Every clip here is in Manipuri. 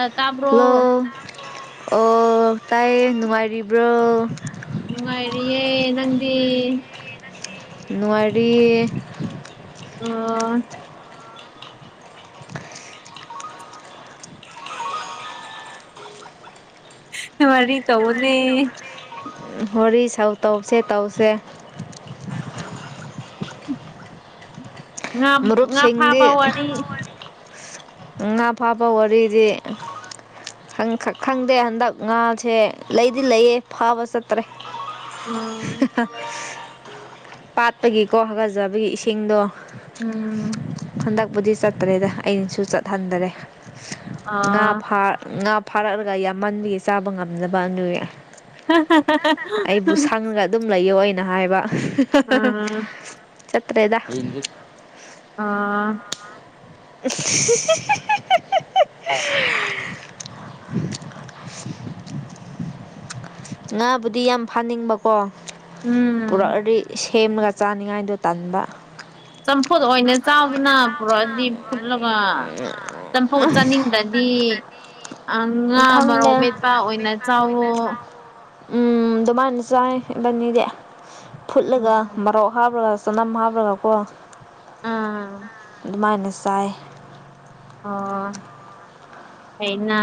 ꯑ ꯇꯥꯕ꯭ꯔꯣ ꯍꯜꯂꯣ ꯑꯣ ꯇꯥꯏꯌꯦ ꯅꯨꯡꯉꯥꯏꯔꯤꯕ꯭ꯔꯣ? ꯅꯨꯡꯉꯥꯏꯔꯤꯌꯦ ꯅꯪꯗꯤ? ꯅꯨꯉꯥꯏꯔꯤꯌꯦ ꯑꯥ ꯋꯥꯔꯤ ꯇꯧꯕꯅꯦ ꯍꯣꯔꯤ ꯁꯧ ꯇꯧꯁꯦ ꯇꯧꯁꯦ ꯉꯥ ꯉꯥ ꯃꯔꯨꯞꯁꯤꯡꯗꯤ ꯐꯥꯕ ꯋꯥꯔꯤ ꯉꯥ ꯐꯥꯕ ꯋꯥꯔꯤꯗꯤ ꯉꯥ ꯐꯥꯕ ꯋꯥꯔꯤꯗꯤ ꯈꯪ ꯈꯪꯗꯦ ꯍꯟꯗꯛ ꯉꯥꯁꯦ ꯂꯩꯗꯤ ꯂꯩꯌꯦ꯫ ꯐꯕꯥ ꯆꯠꯇ꯭ꯔꯦ ꯎꯝ ꯄꯥꯠꯇꯒꯤꯀꯣ ꯍꯒꯠꯆꯕꯒꯤ ꯏꯁꯤꯡꯗꯣ ꯎꯝ꯫ ꯍꯟꯗꯛꯄꯨꯗꯤ ꯆꯠꯇ꯭ꯔꯦꯗ ꯑꯩꯅꯁꯨ ꯆꯠ ꯍꯟꯗ꯭ꯔꯦ꯫ ꯉꯥ ꯑꯥ ꯐꯥꯔ ꯉꯥ ꯐꯥꯔꯛꯂꯒ ꯌꯥꯝꯃꯟꯕꯒꯤ ꯆꯥꯕ ꯉꯝꯅꯕ ꯑꯗꯨꯒꯤ ꯑꯩꯕꯨ ꯁꯪꯉꯒ ꯑꯗꯨꯝ ꯂꯩꯌꯣ ꯑꯩꯅ ꯍꯥꯏꯕ ꯑ ꯎꯝ ꯆꯠꯇ꯭ꯔꯦꯗ ꯑꯥ [inaudible] ꯉꯥꯕꯨꯗꯤ ꯌꯥꯝ ꯐꯥꯅꯤꯡꯕꯀꯣ ꯎꯝ꯫ ꯄꯨꯔꯛꯑꯗꯤ ꯁꯦꯝꯃꯒ ꯆꯥꯅꯤꯡꯉꯥꯏꯗꯣ ꯇꯟꯕꯥ ꯆꯝꯐꯨꯠ ꯑꯣꯏꯅ ꯆꯥꯎꯗꯅ ꯄꯨꯔꯛꯑꯗꯤ ꯐꯨꯠꯂꯒ ꯆꯝꯐꯨꯠ ꯆꯥꯅꯤꯡ ꯗꯗꯤ ꯑ ꯉꯥ ꯃꯔꯣꯛ ꯈꯪꯗꯦ ꯃꯦꯠꯄ ꯑꯣꯏꯅ ꯆꯥꯎꯋꯣ ꯎꯝ ꯗꯨꯃꯥꯏꯅ ꯆꯥꯏꯌꯦ ꯗꯟꯗꯤꯗꯤ ꯐꯨꯠꯂꯒ ꯎꯝ ꯃꯔꫭꯛ ꯍꯥꯞꯔꯒ ꯆꯅꯝ ꯍꯥꯞꯔꯒ ꯀꯣ ꯑꯥ ꯗꯨꯃꯥꯏꯅ ꯆꯥꯏ ꯑꯣ ꯍꯩꯅ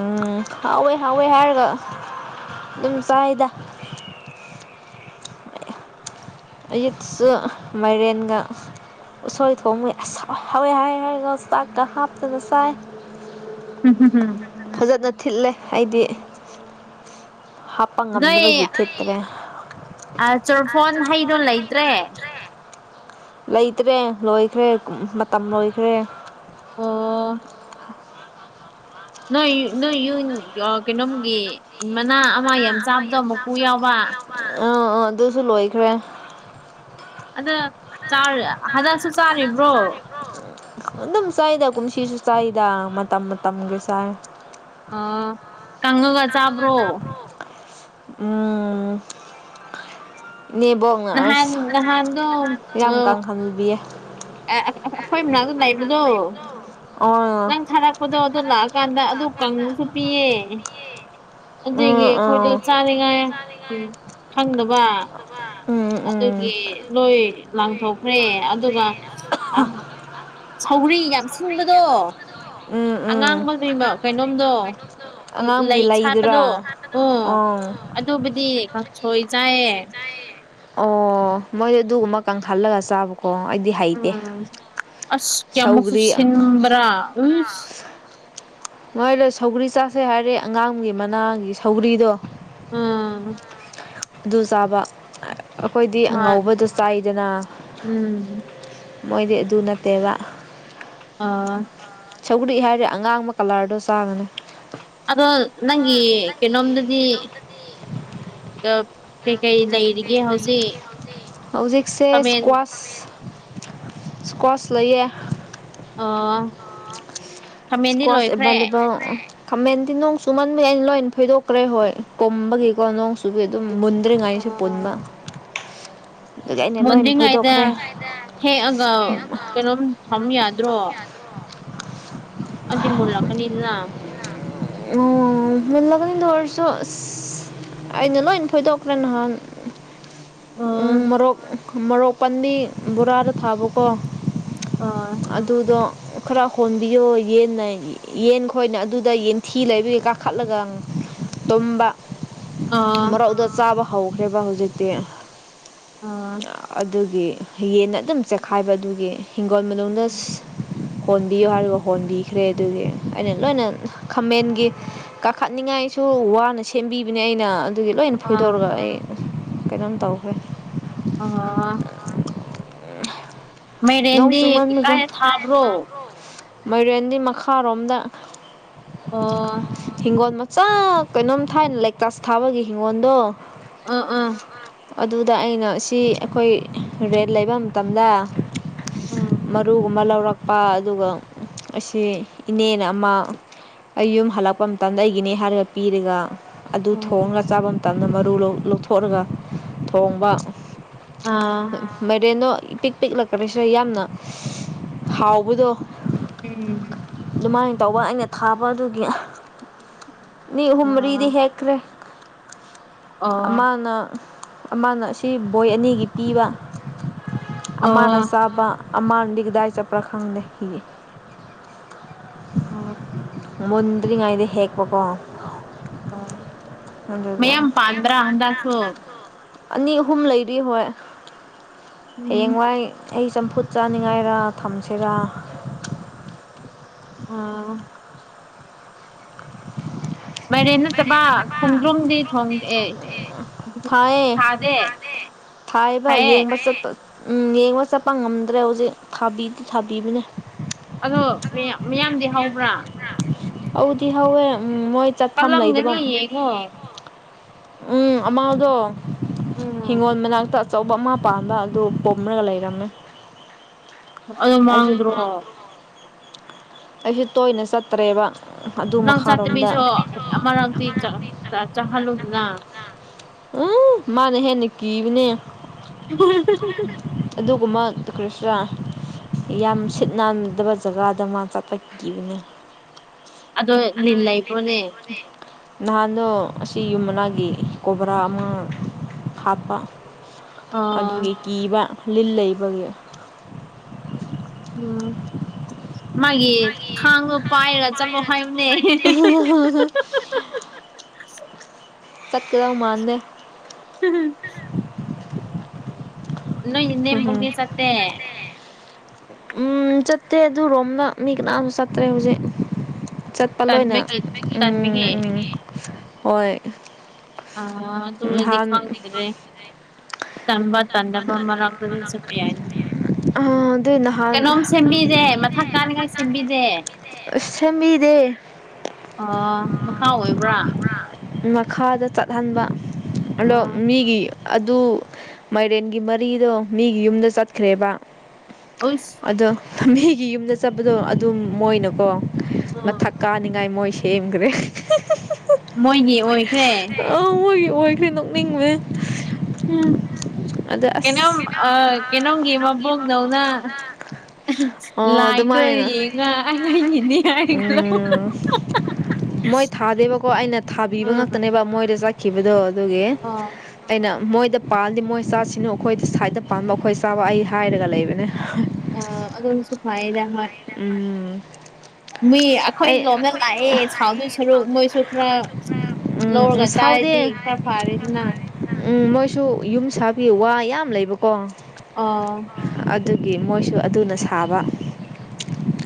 ꯎꯝ ꯍꯥꯎꯋꯦ ꯍꯥꯎꯋꯦ ꯍꯥꯏꯔꯒ ꯑꯗꯨꯝ ꯆꯥꯏꯗ ꯑꯌꯨꯛꯁꯨ ꯃꯥꯏꯔꯦꯟꯒ ꯎꯁꯣꯏ ꯊꯣꯡꯕ ꯑꯁ ꯍꯥꯎꯋꯦ ꯍꯥꯎꯋꯦ ꯍꯥꯏꯔꯒ ꯆꯥꯛ ꯀꯥ ꯍꯥꯞꯇꯅ ꯆꯥꯏ [inaudible] ꯐꯖꯅꯥ ꯊꯤꯠꯂꯦ ꯑꯩꯗꯤ ꯍꯥꯞꯄ ꯅꯣꯏ ꯉꯝꯅꯕꯒꯤ ꯊꯤꯠꯇ꯭ꯔꯦ꯫ ꯑ ꯆꯣꯔꯐꯣꯟ ꯍꯩꯗꯣ ꯂꯩꯇ꯭ꯔꯦ꯫ ꯂꯩꯇ꯭ꯔꯦ ꯂꯣꯏꯈ꯭ꯔꯦ ꯃꯇꯝ ꯂꯣꯏꯈ꯭ꯔꯦ꯫ ꯑꯣ ꯅꯣꯏ ꯅꯣꯏ ꯌꯨꯟ ꯑ ꯀꯩꯅꯣꯝꯒꯤ ꯃꯅꯥ ꯑꯃ ꯌꯥꯝ ꯆꯥꯕꯗꯣ ꯃꯀꯨ ꯌꯥꯎꯕ ꯑꯥ ꯑꯥ ꯑꯗꯨꯁꯨ ꯂꯣꯏꯈ꯭ꯔꯦ꯫ ꯑꯗꯨ ꯆꯥ ꯍꯟꯗꯛꯁꯨ ꯆꯥꯔꯤꯕ꯭ꯔꯣ꯫ ꯑꯗꯨꯝ ꯆꯥꯏꯗ ꯀꯨꯝꯁꯤꯁꯨ ꯆꯥꯏꯗ ꯃꯇꯝ ꯃꯇꯝꯒꯤ ꯆꯥꯏ꯫ ꯑ ꯀꯪꯉꯒ ꯆꯥꯕ꯭ꯔꯣ꯫ ꯎꯝ ꯅꯤꯕꯣꯡ ꯅꯍꯥꯟ ꯑꯁ ꯅꯍꯥꯟꯗꯣ ꯌꯥꯝ ꯀꯪꯍꯟꯕꯤꯌꯦ꯫ ꯑꯦ ꯑ ꯑ ꯑꯩꯈꯣꯏ ꯃꯅꯥꯛꯇ ꯂꯩꯕꯗꯣ ꯑꯣ ꯅꯪ ꯊꯥꯔꯛ ꯄꯣꯗꯣ ꯑꯗꯨ ꯂꯥꯛꯑꯀꯥꯟꯗ ꯑꯗꯨ ꯀꯪꯕꯁꯨ ꯄꯤꯌꯦ꯫ ꯎꯝ ꯑꯗꯨꯒꯤ ꯑꯥ ꯎꯝ ꯑꯩꯈꯣꯏꯗꯣ ꯆꯥꯅꯤꯡꯉꯥꯏ ꯎꯝ ꯈꯪꯗꯕ꯫ ꯑꯗꯨꯒꯤ ꯂꯣꯏ ꯂꯥꯡꯊꯣꯛꯈ꯭ꯔꯦ ꯑꯗꯨꯒ ꯑ ꯁꯧꯒ꯭ꯔꯤ ꯌꯥꯝ ꯁꯤꯟꯕꯗꯣ ꯎꯝ ꯎꯝ ꯑꯉꯥꯡꯕ ꯒꯤꯝꯕ ꯀꯩꯅꯣꯝꯗꯣ ꯑꯉꯥꯡꯒꯤ ꯂꯩ ꯁꯠꯄꯗꯣ ꯂꯩꯗꯨꯔꯥ ꯑꯣ ꯑꯗꯨꯕꯨꯗꯤ ꯀꯪꯁꯣꯏ ꯆꯥꯏꯌꯦ꯫ ꯑꯣ ꯃꯣꯏꯗꯤ ꯑꯗꯨꯒꯨꯝꯕ ꯀꯪꯍꯜꯂꯒ ꯆꯥꯕꯀꯣ ꯑꯩꯗꯤ ꯍꯩꯇꯦ꯫ ꯎꯝ ꯑꯁ ꯀꯌꯥꯃꯛꯁꯨ ꯁꯧꯒ꯭ꯔꯤ ꯁꯤꯟꯕ꯭ꯔꯥ ꯎꯁ ꯅꯣꯏꯗꯣ ꯁꯧꯒ꯭ꯔꯤ ꯆꯥꯁꯦ ꯍꯥꯏꯔꯦ ꯑꯉꯥꯡꯒꯤ ꯃꯅꯥꯒꯤ ꯁꯧꯒ꯭ꯔꯤꯗꯣ ꯎꯝ ꯑꯗꯨ ꯆꯥꯕ ꯑꯩꯈꯣꯏꯗꯤ ꯍꯣꯏ ꯑꯉꯧꯕꯗꯣ ꯆꯥꯏꯗꯅ ꯎꯝ ꯃꯣꯏꯗꯤ ꯑꯗꯨ ꯅꯠꯇꯦꯕ ꯑꯥ ꯁꯧꯒ꯭ꯔꯤ ꯍꯥꯏꯔꯦ ꯑꯉꯥꯡꯕ ꯀꯂ꯭ꯔꯗꯣ ꯆꯥꯔꯅꯨ ꯑꯗꯣ ꯅꯪꯒꯤ ꯀꯩꯅꯣꯝꯗꯗꯤ ꯀꯩꯀꯩ ꯂꯩꯔꯤꯒꯦ ꯍꯧꯖꯤꯛ ꯍꯧꯖꯤꯛꯁꯦ ꯈꯥꯃꯦꯟ ꯏꯁꯀ꯭ꯋꯥꯁ ꯏꯁꯀ꯭ꯋꯥꯁ ꯂꯩꯌꯦ ꯑꯣ ꯈꯥꯃꯦꯟꯗꯤ ꯏꯁ꯭ꯀ꯭ꯋꯥꯁ ꯂꯣꯏꯈ꯭ꯔꯦ ꯑꯦꯕꯥꯂꯦꯕꯜ ꯈꯥꯃꯦꯟꯗꯤ ꯅꯣꯡ ꯆꯨꯃꯟꯕꯩ ꯑꯩꯅ ꯂꯣꯏ ꯐꯣꯏꯗꯣꯛꯈ꯭ꯔꯦ ꯍꯣꯏ ꯀꯨꯝꯕꯒꯤꯀꯣ ꯅꯣꯡꯁꯨ ꯑꯗꯨ ꯑꯗꯨꯝ ꯃꯨꯟꯗ꯭ꯔꯤ ꯉꯥꯏꯁꯨ ꯄꯨꯟꯕ ꯑꯣ ꯑꯗꯨꯒꯤ ꯑꯩꯅ ꯂꯣꯏꯅ ꯃꯨꯗ꯭ꯔꯤꯉꯩꯗ ꯐꯣꯏꯗꯣꯛꯈ꯭ꯔꯦ ꯍꯦꯛꯑꯒ ꯀꯩꯅꯣꯝ ꯊꯝ ꯌꯥꯗ꯭ꯔꯣ ꯑꯗꯤ ꯃꯨꯂꯛꯀꯅꯤꯗꯅ ꯃꯂꯗꯔꯁꯨ [unintelligible] ꯑꯩꯅ ꯂꯣꯏꯟ ꯐꯣꯏꯗꯣꯛꯈ꯭ꯔꯦ ꯅꯍꯥꯟ ꯎꯝ ꯑ ꯃꯔꯣꯔꯣꯛ ꯃꯔꯣꯔꯣꯛ ꯄꯟꯗꯤ ꯕꯣꯔꯥꯗ ꯊꯥꯕꯀꯣ ꯑꯥ ꯑꯗꯨꯗꯣ ꯈꯔ ꯍꯣꯟꯕꯤꯌꯣ ꯌꯦꯟꯅ ꯌꯦꯟ ꯈꯣꯏꯅ ꯑꯗꯨꯗ ꯌꯦꯟ ꯊꯤ ꯂꯩꯕꯒꯤ ꯀꯥꯈꯠꯂꯒ ꯇꯨꯝꯕ ꯑ ꯃꯣꯔꯣꯛꯗꯣ ꯆꯥꯕ ꯍꯧꯈ꯭ꯔꯦꯕ ꯍꯧꯖꯤꯛꯇꯤ ꯑꯗꯨꯒꯤ ꯌꯦꯟꯅ ꯑꯗꯨꯝ ꯆꯦꯛꯈꯥꯏꯕ ꯑꯗꯨꯒꯤ ꯍꯤꯡꯒꯣꯜ ꯃꯅꯨꯡꯗ ꯍꯣꯟꯕꯤꯌꯣ ꯍꯥꯏꯔꯤꯕ ꯍꯣꯟꯕꯤꯈ꯭ꯔꯦ ꯑꯗꯨꯗꯤ ꯑꯩꯅ ꯂꯣꯏꯅ ꯈꯥꯃꯦꯟꯒꯤ ꯀꯥꯈꯠꯅꯤꯡꯉꯥꯏꯁꯨ ꯋꯥꯅ ꯁꯦꯝꯕꯤꯕꯅꯦ ꯑꯩꯅ ꯑꯗꯨꯒꯤ ꯂꯣꯏꯅ ꯑ ꯐꯣꯏꯗꯣꯔꯒ ꯑꯩ ꯀꯩꯅꯣꯝ ꯇꯧꯈ꯭ꯔꯦ ꯑꯣ ꯅꯣꯡ ꯃꯥꯏꯔꯦꯟꯗꯤ ꯀꯥꯏꯗ ꯊꯥꯕ꯭ꯔꯣ ꯃꯥꯏꯔꯦꯟꯒꯤ ꯃꯈꯥꯔꯣꯝꯗ ꯑꯣ ꯍꯤꯡꯒꯣꯜ ꯃꯆꯥ ꯀꯩꯅꯣꯝ ꯊꯥꯏꯅ ꯂꯦꯛꯇꯁ ꯊꯥꯕꯒꯤ ꯍꯤꯡꯒꯣꯜꯗꯣ ꯑ ꯑꯥ ꯑꯗꯨꯗ ꯑꯩꯅ ꯁꯤ ꯑꯩꯈꯣꯏ ꯔꯦꯜ ꯂꯩꯕ ꯃꯇꯝꯗ ꯎꯝ ꯃꯔꯨꯒꯨꯝꯕ ꯂꯧꯔꯛꯄ ꯑꯗꯨꯒ ꯑꯁꯤ ꯏꯅꯦꯅ ꯑꯃ ꯑꯩ ꯌꯨꯝ ꯍꯜꯂꯛꯄ ꯃꯇꯝꯗ ꯑꯩꯒꯤꯅꯦ ꯍꯥꯏꯔꯒ ꯄꯤꯔꯒ ꯑꯗꯨ ꯎꯝ ꯊꯣꯡꯔꯥ ꯆꯥꯕ ꯃꯇꯝꯗ ꯃꯔꯨ ꯂꯧ ꯂꯧꯊꯣꯛꯔꯒ ꯊꯣꯡꯕ ꯑꯥ ꯃꯔꯦꯟꯗꯣ ꯏ ꯄꯤꯛ ꯄꯤꯛꯂꯥ ꯀꯔꯤꯁꯨ ꯌꯥꯝꯅ ꯍꯥꯎꯕꯗꯣ ꯎꯝ ꯑꯗꯨꯃꯥꯏꯅ ꯇꯧꯕ ꯑꯩꯅ ꯊꯥꯕ ꯑꯗꯨꯒꯤ ꯃꯤ ꯑꯍꯨꯝ ꯃꯔꯤꯗꯤ ꯑ ꯍꯦꯛ ꯀꯦ ꯑꯣ ꯑꯃꯅ ꯑꯃꯅ ꯑꯁꯤ ꯕꯣꯏ ꯑꯅꯤꯒꯤ ꯄꯤꯕ ꯑꯃꯅ ꯑꯣ ꯆꯥꯕ ꯑꯃꯥꯟꯗꯤ ꯀꯗꯥꯏ ꯆꯠꯄ꯭ꯔꯥ ꯈꯪꯗꯦ ꯍꯤꯒꯦ ꯑꯣ ꯃꯨꯟꯗ꯭ꯔꯤꯉꯩꯗ ꯍꯦꯛꯄ ꯀꯣ ꯑꯣ ꯃꯌꯥꯝ ꯄꯥꯟꯕ꯭ꯔꯥ ꯍꯟꯗꯛꯁꯨ ꯑꯅꯤ ꯑꯍꯨꯝ ꯂꯩꯔꯤ ꯍꯣꯏ ꯎꯝ ꯍꯌꯦꯡꯋꯥꯏ ꯑꯩ ꯆꯝꯐꯨꯠ ꯆꯥꯅꯤꯡꯉꯥꯏꯔ ꯊꯝꯁꯤꯔꯥ ꯎꯝ ꯃꯥꯏꯔꯦꯟ ꯅꯠꯇꯕ ꯈꯣꯡꯗ꯭ꯔꯨꯝꯗꯤ ꯊꯣꯡ ꯑꯦ ꯊꯥꯏꯌꯦ ꯊꯥꯏꯌꯦꯕ ꯐꯩꯌꯦ ꯌꯦꯡꯕ ꯆꯠꯄ ꯎꯝ ꯌꯦꯡꯕ ꯆꯠꯄ ꯉꯝꯗ꯭ꯔꯦ ꯍꯧꯖꯤꯛ ꯊꯥꯕꯤꯗꯤ ꯊꯥꯕꯤꯕꯅꯦ ꯑꯗꯣ ꯃꯌꯥꯝ ꯃꯌꯥꯝꯗꯤ ꯍꯧꯕ꯭ꯔꯥ ꯍꯧꯗꯤ ꯍꯧꯋꯦ ꯎꯝ ꯃꯣꯏ ꯆꯠꯐꯝ ꯂꯩꯗꯕ ꯀꯜꯂꯝꯒꯅꯤ ꯌꯦꯡꯉꯣ ꯎꯝ ꯑꯃꯥꯗꯣ ꯍꯤꯡꯒꯣꯜ ꯎꯝ ꯃꯅꯥꯛꯇ ꯑꯆꯧꯕ ꯑꯃꯥ ꯄꯥꯟꯕ ꯑꯗꯨ ꯄꯨꯝꯃꯒ ꯂꯩꯔꯝꯃꯦ ꯑꯩ ꯑꯩꯁꯨ ꯃꯡꯗ꯭ꯔꯣ ꯑꯩꯁꯨ ꯇꯣꯏꯅ ꯆꯠꯇ꯭ꯔꯦꯕ ꯑꯗꯨ ꯅꯪ ꯃꯈꯥꯔꯣꯝꯗ ꯆꯠꯇꯕꯤꯁꯨ ꯑꯃꯥꯔꯛꯇꯤ ꯆꯠꯍꯜꯂꯨꯗꯅ ꯎꯝ ꯃꯥꯅ ꯍꯦꯅ ꯀꯤꯕꯅꯦ [unintelligible] ꯑꯗꯨꯒꯨꯝꯕ ꯀ꯭ꯔꯤꯁꯅ ꯌꯥꯝ ꯁꯤꯠ ꯅꯥꯟꯗꯕ ꯖꯒꯥꯗ ꯃꯥ ꯆꯠꯄ ꯀꯤꯕꯅꯦ ꯑꯗꯣ ꯂꯤꯟ ꯂꯩꯕ꯭ꯔꯣꯅꯦ ꯅꯍꯥꯟꯗꯣ ꯑꯁꯤ ꯌꯨꯝ ꯃꯅꯥꯒꯤ ꯀꯣꯕ꯭ꯔꯥ ꯑꯃꯥ ꯍꯥꯠꯄ ꯑ ꯑꯗꯨꯒꯤ ꯀꯤꯕ ꯂꯤꯟ ꯂꯩꯕꯒꯤ ꯎꯝ ꯃꯥꯒꯤ ꯊꯥꯡꯗꯨ ꯄꯥꯏꯔ ꯆꯠꯂꯣ ꯍꯥꯏꯌꯨꯅꯦ ꯆꯠꯀꯗꯧ ꯃꯥꯥꯟꯗꯦ [unintelligible] ꯅꯪꯒꯤ ꯏꯅꯦꯝꯕꯣꯛꯇꯤ ꯆꯠꯇꯦ ꯎꯝ ꯆꯠꯇꯦ ꯑꯗꯨꯔꯣꯝꯗ ꯃꯤ ꯀꯅꯥꯁꯨ ꯆꯠꯇ꯭ꯔꯦ ꯍꯧꯖꯤꯛ ꯂꯣꯏꯅ ꯇꯟꯕꯒꯤ ꯎꯝ ꯇꯟꯕꯒꯤ ꯎꯝ ꯍꯣꯏ ꯑꯥ ꯑꯗꯨ ꯑꯣꯏꯔꯗꯤ ꯅꯍꯥꯟ ꯈꯪꯗꯦ ꯇꯟꯗꯕ ꯃꯔꯛꯇꯗꯤ ꯆꯠꯄ ꯌꯥꯏꯅ ꯑꯗꯨꯏ ꯅꯍꯥꯟ ꯀꯅꯥꯝ ꯁꯦꯝꯕꯤꯗꯦ ꯃꯥꯊꯛ ꯀꯥꯅꯤꯡꯉꯥꯏ ꯁꯦꯝꯕꯤꯗꯦ ꯁꯦꯝꯕꯤꯗꯦ ꯑꯥ ꯃꯈꯥ ꯑꯣꯏꯕ꯭ꯔꯥ ꯃꯈꯥꯗ ꯆꯠꯍꯟꯕ ꯑ ꯑꯗꯣ ꯃꯤꯒꯤ ꯑꯗꯨ ꯃꯥꯏꯔꯦꯟꯒꯤ ꯃꯔꯤꯗꯣ ꯃꯤꯒꯤ ꯌꯨꯝꯗ ꯆꯠꯈ꯭ꯔꯦꯕ ꯑꯁ ꯑꯗꯣ ꯃꯤꯒꯤ ꯌꯨꯝꯗ ꯆꯠꯄꯗꯣ ꯑꯗꯨꯝ ꯃꯣꯏꯅꯀꯣ ꯎꯝ ꯃꯊꯛ ꯀꯥꯅꯤꯡꯉꯥꯏ ꯃꯣꯏꯁꯦ ꯍꯦꯝꯈ꯭ꯔꯦ ꯃꯣꯏꯒꯤ ꯑꯣꯏꯈ꯭ꯔꯦ ꯑꯥ ꯃꯣꯏꯒꯤ ꯑꯣꯏꯈ꯭ꯔꯦ ꯅꯣꯛꯅꯤꯡꯂꯦ ꯎꯝ ꯀꯩꯅꯣꯝ ꯑꯥ ꯀꯩꯅꯣꯝꯒꯤ ꯃꯕꯣꯛꯗꯧꯅ ꯑꯣ ꯂꯥꯏꯟꯗꯣ ꯑꯗꯨꯃꯥꯏꯅ ꯌꯦꯡꯉ ꯑꯩꯉꯣꯏꯅꯤꯅꯦ ꯍꯥꯏ ꯂꯧ ꯎꯝ [unintelligible] ꯃꯣꯏ ꯊꯥꯗꯦꯕꯀꯣ ꯑꯩꯅ ꯊꯕꯤꯕ ꯑꯥ ꯉꯥꯛꯇꯅꯦꯕ ꯃꯣꯏꯗ ꯆꯠꯈꯤꯕꯗꯣ ꯑꯗꯨꯒꯤ ꯑꯥ ꯑꯩꯅ ꯃꯣꯏꯗ ꯄꯥꯜꯗꯤ ꯃꯣꯏ ꯆꯥꯁꯤꯅꯨ ꯑꯩꯈꯣꯏꯗ ꯁꯥꯏꯠꯇ ꯄꯥꯟꯕ ꯑꯩꯈꯣꯏ ꯆꯥꯕ ꯑꯩ ꯍꯥꯏꯔꯒ ꯂꯩꯕꯅꯦ ꯑ ꯑꯗꯨꯝꯁꯨ ꯐꯌꯦꯗ ꯃꯣꯏ꯫ ꯎꯝ ꯃꯤ ꯑꯩꯈꯣꯏ ꯑꯩ ꯂꯣꯝꯅ ꯂꯥꯛꯑꯦ ꯁꯥꯎꯗꯣꯏ ꯁꯔꯨꯛ ꯃꯣꯏꯁꯨ ꯈꯔꯥ ꯂꯧꯔꯒ ꯎꯝ ꯆꯥꯏꯔꯗꯤ ꯁꯥꯎꯗꯦ ꯈꯔ ꯐꯔꯦꯗꯅ ꯎꯝ ꯃꯣꯏꯁꯨ ꯌꯨꯝ ꯁꯥꯕꯒꯤ ꯋꯥ ꯌꯥꯝ ꯂꯩꯕꯀꯣ ꯑꯥ ꯑꯗꯨꯒꯤ ꯃꯣꯏꯁꯨ ꯑꯗꯨꯅ ꯁꯥꯕ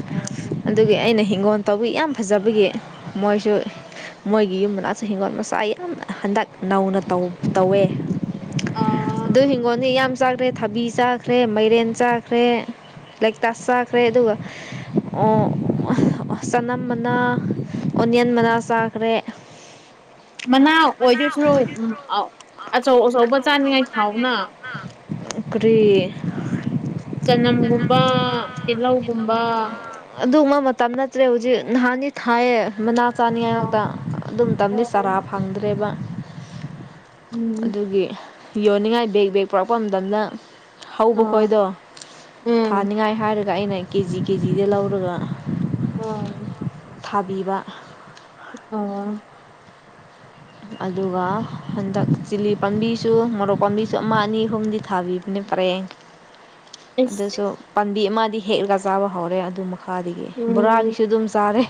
ꯑꯥ ꯑꯗꯨꯒꯤ ꯑꯩꯅ ꯍꯤꯡꯒꯣꯜ ꯇꯧꯕꯤ ꯌꯥꯝ ꯐꯖꯕꯒꯤ ꯃꯣꯏꯁꯨ ꯃꯣꯏꯒꯤ ꯌꯨꯝ ꯃꯅꯥꯁꯨ ꯍꯤꯡꯒꯣꯜ ꯃꯆꯥ ꯌꯥꯝꯅ ꯍꯟꯗꯛ ꯅꯧꯅ ꯇꯧ ꯇꯧꯋꯦ ꯑꯥ ꯑꯗꯨ ꯍꯤꯡꯒꯣꯜꯗꯤ ꯌꯥꯝ ꯆꯜꯔꯤ ꯊꯥꯕꯤ ꯆꯥꯈ꯭ꯔꯦ ꯃꯥꯏꯔꯦꯟ ꯆꯥꯈ꯭ꯔꯦ ꯂꯦꯛꯇꯁ ꯆꯥꯈ꯭ꯔꯦ ꯑꯗꯨꯒ ꯑꯣ ꯆꯅꯝ ꯃꯅꯥ ꯑꯣꯅꯤꯌꯟ ꯃꯅꯥ ꯆꯥꯈ꯭ꯔꯦ ꯃꯅꯥ ꯑꯣꯏꯗꯣꯏꯁꯨ ꯎ ꯑꯆꯧ ꯑꯆꯧꯕ ꯆꯥꯅꯤꯡꯉꯥꯏ ꯊꯥꯎꯅ ꯀꯔꯤ ꯆꯅꯝꯒꯨꯝꯕ ꯇꯤꯜꯂꯧꯒꯨꯝꯕ ꯑꯗꯨꯝꯃꯥ ꯃꯇꯝ ꯅꯠꯇ꯭ꯔꯦ ꯍꯧꯖꯤꯛ ꯅꯍꯥꯟꯗꯤ ꯊꯥꯏꯑ ꯃꯅꯥ ꯆꯥꯅꯤꯉꯥꯏ ꯑꯣ ꯉꯛꯇ ꯑꯗꯨꯝ ꯇꯝꯗꯨ ꯆꯥꯔꯥ ꯑꯣ ꯐꯪꯗ꯭ꯔꯦꯕ ꯎꯝ ꯑꯗꯨꯒꯤ ꯌꯣꯟꯅꯤꯡꯉꯥꯏ ꯕꯦꯛ ꯕꯦꯛ ꯄꯔꯛꯄ ꯃꯗꯝꯗ ꯍꯧꯕ ꯑꯣ ꯈꯣꯏꯗꯣ ꯎꯝ ꯊꯥꯅꯤꯡꯉꯥꯏ ꯍꯥꯏꯔꯒ ꯑꯩꯅ ꯀꯦꯖꯤ ꯀꯦꯖꯤꯗ ꯂꯧꯔꯒ ꯎꯝ ꯊꯥꯕꯤꯕ ꯑꯥꯡ [unintelligible] ꯑꯗꯨꯒ ꯍꯟꯗꯛ ꯆꯤꯂꯤ ꯄꯥꯝꯕꯤꯁꯨ ꯃꯣꯔꯣꯛ ꯄꯥꯝꯕꯤꯁꯨ ꯑꯃ ꯑꯅꯤ ꯑꯍꯨꯝꯗꯤ ꯊꯥꯕꯤꯕꯅꯦ ꯄꯔꯦꯡ ꯑꯁ ꯑꯗꯨꯁꯨ ꯄꯥꯝꯕꯤ ꯑꯃꯗꯤ ꯍꯦꯛꯂꯒ ꯆꯥꯕ ꯍꯧꯔꯦ ꯑꯗꯨ ꯈꯥꯗꯒꯤ ꯎꯝ ꯕꯣꯔꯥꯒꯤꯁꯨ ꯑꯗꯨꯝ ꯆꯥꯔꯦ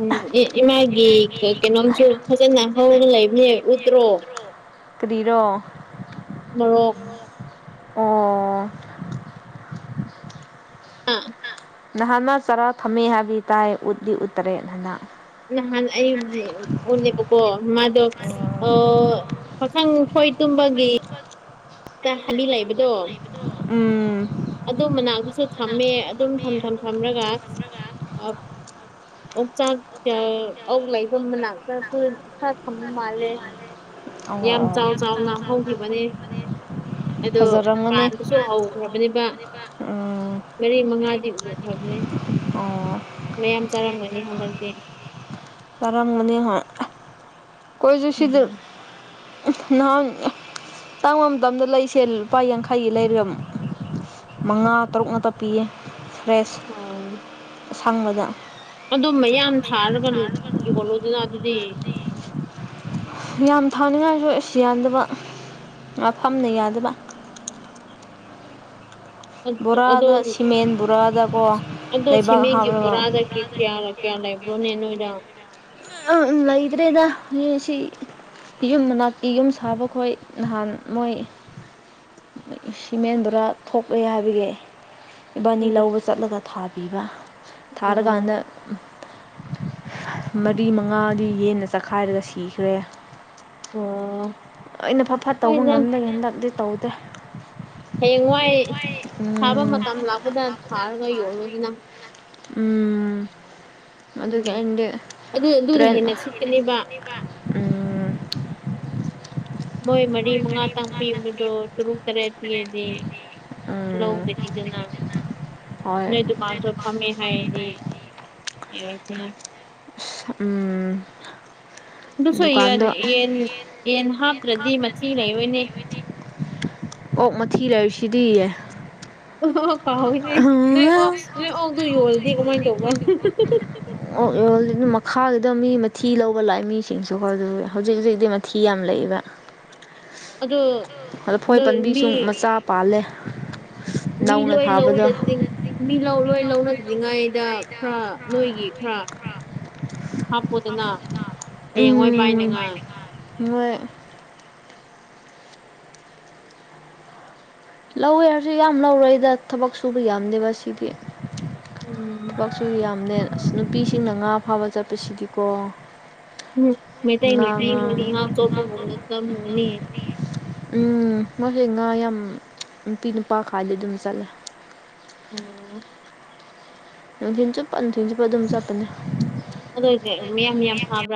ꯎꯝ ꯑꯦ ꯏꯃꯥꯒꯤ ꯀꯥꯀꯩꯅꯣꯝꯁꯨ ꯐꯖꯅ ꯍꯧꯔꯥ ꯂꯩꯕꯅꯦ ꯎꯠꯇ꯭ꯔꯣ ꯀꯔꯤꯔꯣ ꯃꯨꯔꯣꯛ ꯑꯣ ꯑꯥ ꯅꯍꯥꯟ ꯃꯥ ꯆꯔꯥ ꯊꯝꯃꯤ ꯍꯥꯏꯕ ꯇꯥꯏ ꯎꯠꯗꯤ ꯎꯠꯇꯔꯦ ꯗꯅ ꯅꯍꯥꯟ ꯑꯩ ꯄꯨꯟꯂ‌ꯤꯕꯀꫭ ꯃꯥꯗꫭ ꯑꯣ ꯄꯈꯪ ꯈꫭꯏ ꯇꯨꯝꯕꯒꯤ ꯇꯥ ꯍꯥꯕꯤ ꯂꯩꯕꯗꯣ ꯎꯝ ꯑꯗꯨ ꯃꯅꯥꯗꯁꯨ ꯊꯝꯃꯦ ꯑꯗꯨꯝ ꯊꯝ ꯊꯝ ꯊꯝꯔꯒ ꯑꯣꯛ ꯆꯥꯛ ꯑꯣꯛ ꯂꯩꯕ ꯃꯅꯥꯛꯇꯁꯨ ꯈꯔ ꯈꯔꯊꯝꯕ ꯃꯥꯜꯂꯦ ꯑꯣ ꯌꯥꯝ ꯑꯣ ꯆꯥꯎ ꯆꯥꯎꯅ ꯍꯧꯈꯤꯕꯅꯤ ꯑꯗꯣ ꯐꯖꯔꯝꯒꯅꯤ ꯄꯥꯟꯕꯁꯨ ꯍꯧꯈ꯭ꯔꯕꯅꯤ ꯎꯝ ꯃꯔꯤ ꯃꯉꯥꯗꯤ ꯎꯈ꯭ꯔꯕꯅꯦ ꯑꯣ ꯃꯌꯥꯝ ꯆꯥꯔꯝꯒꯅꯤ ꯍꯟꯗꯛꯇꯤ ꯆꯔꯝꯒꯅꯤ ꯍꫭꯏ ꯈꫭꯏꯁꯨ ꯁꯤꯗ ꯎꯝ ꯅꯍꯥꯟ ꯇꯥꯡꯕ ꯃꯇꯝꯗ ꯂꯩꯁꯦ ꯂꯨꯄꯥ ꯌꯥꯡꯈꯩꯒꯤ ꯂꯩꯔꯝ ꯃꯉꯥ ꯇꯔꯨꯛ ꯉꯛꯇ ꯄꯤꯌꯦ ꯐ꯭ꯔꯦꯁ [unintelligible] ꯑꯁꯪꯕꯗ ꯑꯗꯨ ꯃꯌꯥꯝ ꯊꯥꯜꯒ ꯌꯣꯂꯣꯗꯅ ꯑꯗꯨꯗꯤ ꯌꯥꯝ ꯊꯥꯅꯤꯡꯉꯥꯏꯁꯨ ꯏꯁ ꯌꯥꯟꯗꯕ ꯃꯐꯝꯅ ꯌꯥꯗꯕ ꯑꯗ ꯗ ꯕꯣꯔꯥꯗ ꯑꯗꯣ ꯅꯤ ꯁꯤꯃꯦꯟ ꯕꯣꯔꯥꯗꯀꯣ ꯁꯤ ꯑꯗ‌ꯣ ꯂꯩꯕꯥꯛ ꯁꯤꯃ‌ꯦꯟꯒꯤ ꯍꯥꯞꯂꯒ ꯕꯣꯔꯥꯗ ꯀꯔꯤ ꯀ‌ꯦꯌꯥ ꯂ‌ꯣꯏ ꯀꯌꯥꯝ ꯂꯩꯕꯔꫭꯅ‌ꯦ ꯅꫭꯏꯗ [unintelligible] ꯂꯩꯗ꯭ꯔꯦꯗ ꯅ‌ꯦꯁꯤ ꯌꯨꯝ ꯃꯅꯥꯛꯇꯤ ꯌꯨꯝ ꯁꯥꯕꯈꯣꯏ ꯅꯍꯥꯟ ꯃꯣꯏ ꯁꯤꯃꯦꯟ ꯕ‌ꯣꯔ ꯊꯣꯛꯂꯦ ꯍꯥꯏꯕꯒꯤ ꯏꯕꯥꯅꯤ ꯎꯝ ꯂꯧꯕ ꯆꯠꯂꯒ ꯊꯥꯕꯤꯕ ꯊꯥꯔꯒꯥꯟꯗ ꯑ ꯃꯔꯤ ꯃꯉꯥꯗꯤ ꯌꯦꯟꯅ ꯆꯈꯥꯏꯔꯒ ꯁꯤꯈ꯭ꯔꯦ ꯑꯣ ꯑꯩꯅ ꯐ ꯐꯠ ꯇꯧꯕ ꯉꯝꯗꯒꯦ ꯍꯟꯗꯛꯇꯗꯤ ꯇꯧꯗꯦ ꯍꯌꯦꯡꯋꯥꯏ ꯊꯥꯕ ꯎꯝ ꯃꯇꯝ ꯂꯥꯛꯄꯗ ꯊꯥꯔꯒ ꯌꯣꯜꯂꯨꯗꯅ ꯎꯝ ꯑꯗꯨꯒꯤ ꯎꯝ ꯑꯩꯅꯗꯤ ꯑꯗꯨ ꯑꯗꯨꯅ ꯇ꯭ꯔꯦꯟ ꯍꯦꯟꯅ ꯁꯤꯠꯀꯅꯦꯕ [unintelligible] ꯎꯝ ꯃꯣꯏ ꯃꯔꯤ ꯃꯉꯥ ꯇꯪ ꯄꯤꯕꯗꯣ ꯇꯔꯨꯛ ꯇꯔꯦꯠ ꯄꯤꯌꯗꯤ ꯎꯝ ꯇꯤꯂꯧꯖ‌ꯦ ꯄꯤꯗꯅ ꯍꯣꯏ ꯅꯣꯏ ꯗꯨꯀꯥꯟ ꯆꯠ ꯐꯝꯃꯦ ꯍꯥꯏꯔꯗꯤ ꯌꯥꯏꯗꯅ ꯎꯝ ꯑꯗꯨꯁꯨ ꯌꯦꯟ ꯗꯨꯀꯥꯟꯗ ꯌꯦꯟ ꯌꯦꯟ ꯍꯥꯞꯇ꯭ꯔꯗꯤ ꯃꯊꯤ ꯂꯩꯔꯣꯏꯅꯦ ꯑꯣꯛ ꯃꯊꯤ ꯂꯩꯁꯤꯗꯤ ꯌꯦ ꯀꯥꯎꯋꯤꯅꯦ ꯅꯣꯏ ꯑ‌ꯣꯛꯁ ꯅꯣꯏ ꯑ‌ꯣꯛꯗ‌ꯣ ꯌꯣꯜꯂꯗꯤ ꯀꯃꯥꯏꯟ ꯇꯧꯕ ꯑꯣꯛ ꯌ‌ꯣꯜꯂꯤ‌ ꯃꯈꯨꯗ ꯃꯤ ꯃꯊꯤ ꯂꯧꯕ ꯂꯥꯛꯑꯦ ꯃꯤꯁꯤꯡꯁꯨꯕ [unintelligible] ꯍꯧꯖꯤꯛ ꯍꯨꯖꯤꯛꯇꯤ ꯊꯤ ꯌꯥꯝ ꯂꯩꯕ ꯑꯗꯨ ꯐꯣꯏ ꯄꯟꯕꯤꯁꯨ ꯃꯆꯥ ꯄꯥꯜꯂꯦ ꯃꯤ ꯅꯧꯅ ꯂꯣꯏ ꯊꯥꯕꯗꯣ ꯂꯧꯗ ꯂꯤꯡ ꯃꯤ ꯂꯧ ꯂꯣꯏ ꯂꯧꯅꯗ꯭ꯔꯤꯉꯩꯗ ꯈꯔ ꯅꯣꯏꯒꯤ ꯈꯔ ꯍꯥꯞꯄ‌ꯣꯗꯅ ꯍꯌꯦꯡꯋꯥꯏ ꯄꯥꯏꯅꯤꯉꯥꯏ ꯃ‌ꯣꯏ ꯂꯧꯋꯦ ꯍꯥꯏꯔꯁꯨ ꯌꯥꯝ ꯂꯧꯔꯣꯏꯗ ꯊꯕꯛ ꯁꯨꯕ ꯌꯥꯝꯗꯦꯕ ꯁꯤꯒꯤ ꯎꯝ ꯕꯛꯁꯨ ꯌꯥꯝꯗ‌ꯦ ꯑꯁ ꯅꯨꯄꯤꯁꯤꯡꯅ ꯉꯥ ꯐꯥꯕ ꯆꯠꯄ ꯁꯤꯗꯤꯀꯣ ꯃꯩꯇꯩ ꯅꯨꯄꯤ ꯍꯣꯏꯗ ꯉꯥ ꯆꯣꯞꯄꯒꯨꯝꯅ ꯇꯝꯃꯣꯏꯅꯦ ꯎꯝ ꯃꯣꯏꯁꯦ ꯉꯥ ꯌꯥꯝ ꯅꯨꯄꯤ ꯅꯨꯄꯥ ꯈꯥꯗꯤ ꯑꯗꯨꯝ ꯆꯠꯂꯦ ꯎꯝ ꯅꯨꯡꯊꯤꯟ ꯆꯨꯞꯄ ꯅꯨꯡꯊꯤꯟ ꯆꯨꯞꯄ ꯑꯗꯨꯝ ꯆꯠꯄꯅꯦ ꯑꯗꯨ ꯑꯣꯏꯗꯤ ꯃꯤꯌꯥꯝ ꯃꯤꯌꯥꯝ ꯐꯥꯕ꯭ꯔꯥ